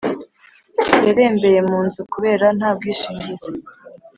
Yarembeye munzu kubera ntabwishingizi